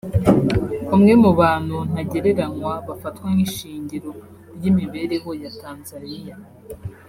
umwe mu bantu ntagereranywa bafatwa nk’ishingiro ry’imibereho ya Tanzania